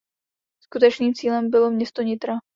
Skutečným cílem bylo město Nitra.